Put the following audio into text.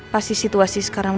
pasti situasi sekarang